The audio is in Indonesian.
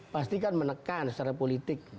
pasti kan menekan secara politik